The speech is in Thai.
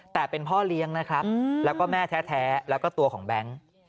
แต่เป็นพ่อเลี้ยงนะครับแล้วก็แม่แท้แล้วก็ตัวของแบงค์